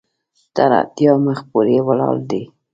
تر اتیا مخ پورې ولاړ دی.